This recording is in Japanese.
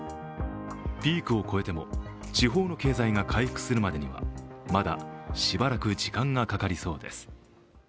ピークを越えても、地方の経済が回復するまでにはまだしばらく時間がかかりそうです。